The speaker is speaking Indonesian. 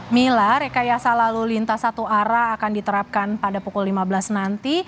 mila rekayasa lalu lintas satu arah akan diterapkan pada pukul lima belas nanti